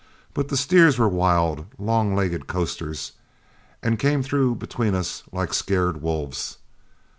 But the steers were wild, long legged coasters, and came through between us like scared wolves.